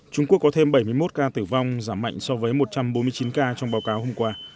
trung quốc có thêm bảy mươi một ca tử vong giảm mạnh so với một trăm bốn mươi chín ca trong báo cáo hôm qua